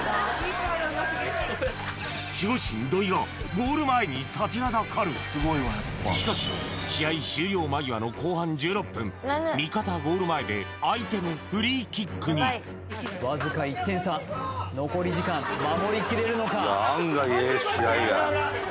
ゴール前にしかし試合終了間際の後半１６分味方ゴール前で相手のフリーキックにわずか１点差残り時間守り切れるのか？